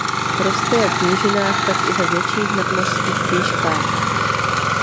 Roste jak v nížinách tak i ve větších nadmořských výškách.